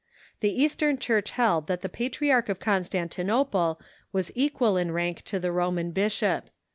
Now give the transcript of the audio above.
The Eastern Church held that the Patriarch of Constantinople was equal in rank to the Roman bishop.